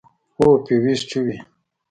او فيوز چوي.